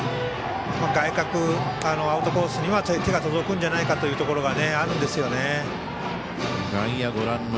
外角、アウトコースには手が届くんじゃないかというのがあるんですよね。